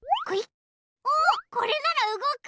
おっこれならうごく。